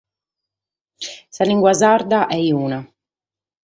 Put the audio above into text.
Sa limba sarda est una.